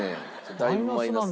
だいぶマイナスなんで。